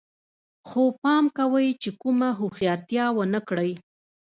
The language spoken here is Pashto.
خو پام کوئ چې کومه هوښیارتیا ونه کړئ